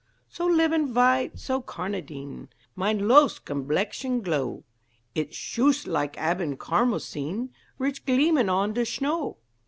So livin vhite so carnadine Mine lofe's gomblexion glow; It's shoost like abendcarmosine Rich gleamin on de shnow.